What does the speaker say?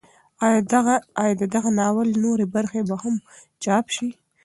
ایا د دغه ناول نورې برخې به هم چاپ شي؟